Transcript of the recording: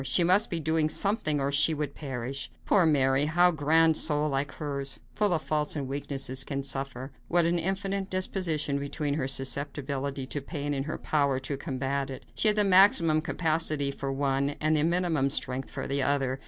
She must be doing something or she would perish. Poor Mary! How a grand soul like hers, full of faults and weakness, can suffer! What an infinite disproportion between her susceptibility to pain and her power to combat it! She had the maximum capacity for one and the minimum strength for the other.